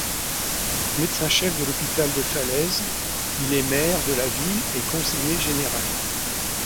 Médecin-chef de l'hôpital de Falaise, il est maire de la ville et conseiller général.